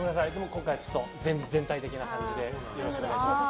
今回、全体的な感じでよろしくお願いします。